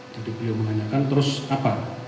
jadi beliau menanyakan terus apa